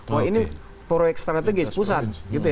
wah ini proyek strategis pusat